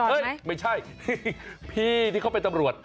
ไม่ใช่พี่ที่เขาเป็นตำรวจ